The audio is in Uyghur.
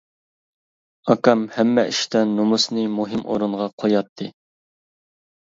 ئاكام ھەممە ئىشتا نومۇسنى مۇھىم ئورۇنغا قوياتتى.